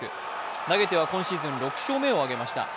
投げては今シーズン６勝目を挙げました。